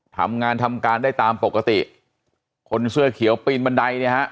ทำงานทำการได้ตามปกติคนเสื้อเขียวปีนบันไดเนี่ยฮะ